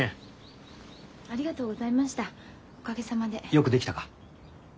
よくできたか？